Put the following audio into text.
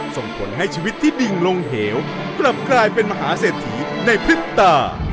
ส่งผลให้ชีวิตที่ดิ่งลงเหวกลับกลายเป็นมหาเศรษฐีในพริบตา